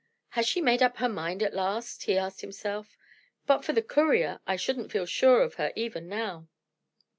"Has she made up her mind at last?" he asked himself. "But for the courier, I shouldn't feel sure of her even now."